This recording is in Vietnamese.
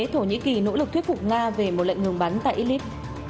thổ nhĩ kỳ nỗ lực thuyết phục nga về một lệnh ngừng bắn tại idlib